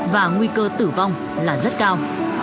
và nguy cơ tử vong là rất cao